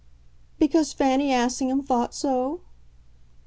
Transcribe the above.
"Because Fanny Assingham thought so?"